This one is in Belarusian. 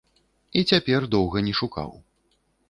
І цяпер доўга не шукаў.